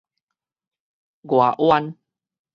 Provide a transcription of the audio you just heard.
外彎